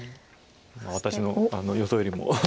私の予想よりも。